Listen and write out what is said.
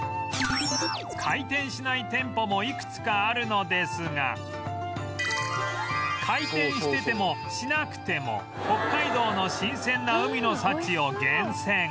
回転しない店舗もいくつかあるのですが回転しててもしなくても北海道の新鮮な海の幸を厳選